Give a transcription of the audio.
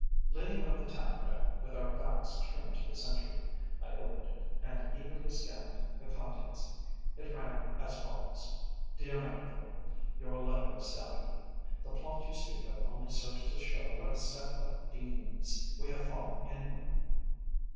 Leaning on the taffrail, with our backs turned to the sentry, I opened it and eagerly scanned the contents. It ran as follows: "DEAR MANDERVILLE, Your letter astounded me. The plot you speak of only serves to show what a set of fiends we have fallen in with.